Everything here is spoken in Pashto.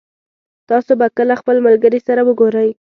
تاسو به کله خپل ملګري سره وګورئ